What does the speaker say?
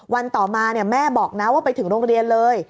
วันต่อมาแม่บอกนะว่าไปถึงโรงเรียนเลย